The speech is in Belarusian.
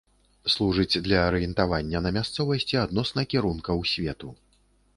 Служыць для арыентавання на мясцовасці адносна кірункаў свету.